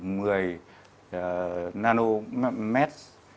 từ một mươi nanometres